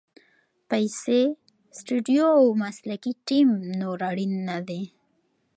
پیسې، سټوډیو او مسلکي ټیم نور اړین نه دي.